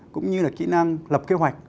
cũng như là kỹ năng lập kế hoạch